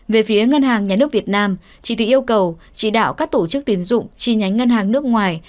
về phía ngân hàng nhà nước việt nam chỉ thị yêu cầu chỉ đạo các tổ chức tiến dụng chi nhánh ngân hàng nước ngoài